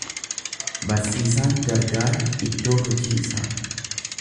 Barsiisaan gargaara iddoo hojii isaa.